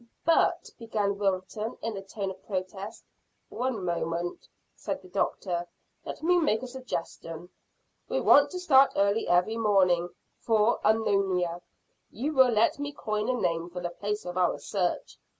"But " began Wilton, in a tone of protest. "One moment," said the doctor. "Let me make a suggestion. We want to start early every morning for Unknownia, if you will let me coin a name for the place of our search."